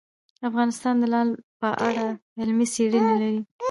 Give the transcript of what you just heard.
افغانستان د لعل په اړه علمي څېړنې لري.